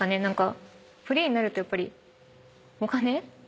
フリーになるとやっぱりお金？